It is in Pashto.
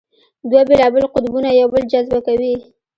دوه بېلابېل قطبونه یو بل جذبه کوي.